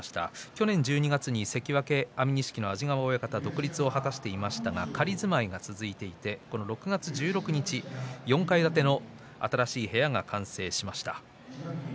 去年１２月に関脇安美錦安治川親方独立を果たしていまして仮住まいが続いていて６月１６日４階建ての新しい部屋が完成しました。